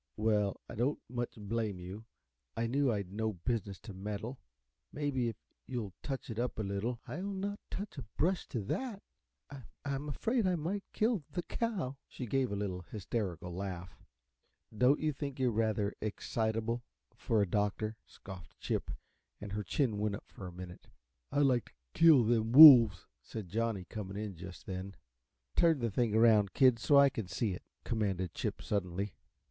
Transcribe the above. "Well, I don't much blame you. I knew I'd no business to meddle. Maybe, if you'll touch it up a little " "I'll not touch a brush to THAT. I I'm afraid I might kill the cow." She gave a little, hysterical laugh. "Don't you think you're rather excitable for a doctor?" scoffed Chip, and her chin went up for a minute. "I'd like t' kill them wolves," said Johnny, coming in just then. "Turn the thing around, kid, so I can see it," commanded Chip, suddenly.